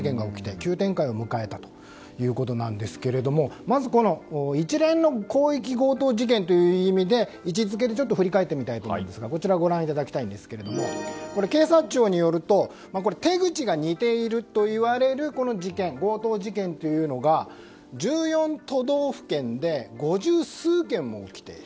急展開を迎えたということなんですけどまず、この一連の広域強盗事件という意味で位置づけを振り返ってみたいと思うんですが警察庁によると手口が似ているといわれる強盗事件というのが１４都道府県で五十数件も起きている。